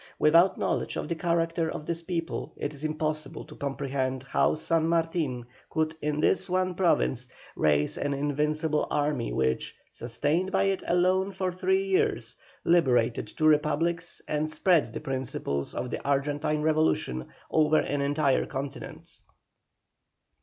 Without knowledge of the character of this people it is impossible to comprehend how San Martin could in this one Province raise an invincible army which, sustained by it alone for three years, liberated two republics and spread the principles of the Argentine revolution over an entire continent.